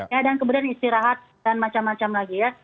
ya dan kemudian istirahat dan macam macam lagi ya